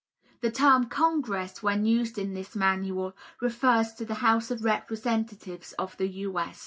The term "Congress," when used in this Manual, refers to the House of Representatives of the U.